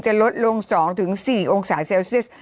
จะลดลง๒ถึง๔องศาเซลเซ็ส